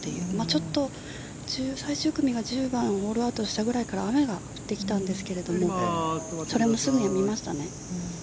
ちょっと最終組が１０番ホールアウトしたぐらいから雨が降ってきたんですけどそれもすぐにやみましたね。